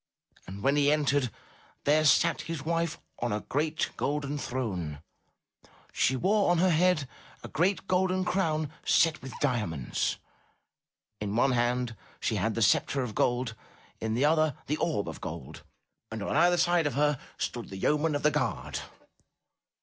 And when he entered, there sat his wife on a great golden throne; she wore on her head a great golden crown set with diamonds; in one hand she had the sceptre of gold, in the other the orb of gold, and on either side of her stood the yeomen of the guard.